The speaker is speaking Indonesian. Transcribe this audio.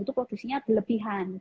itu produksinya berlebihan